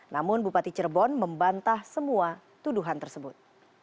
namun bupati cirebon membantah semua tuduhan tersebut